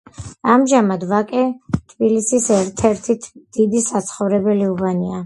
ამჟამად ვაკე თბილისის ერთ-ერთი დიდი საცხოვრებელი უბანია.